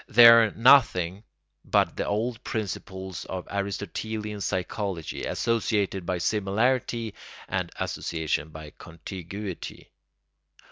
They are nothing but the old principles of Aristotelian psychology, association by similarity and association by contiguity.